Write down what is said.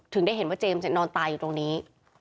ได้เห็นว่าเจมส์นอนตายอยู่ตรงนี้